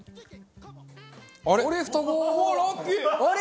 あれ？